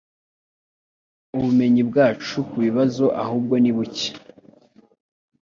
Ubumenyi bwacu kubibazo ahubwo ni buke